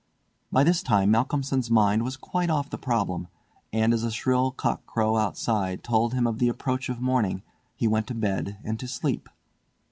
By this time Malcolmson's mind was quite off the problem; and as a shrill cock crow outside told him of the approach of morning, he went to bed and to sleep.